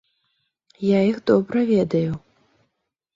Я іх добра ведаю.